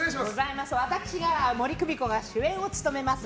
私、森公美子が主演を務めます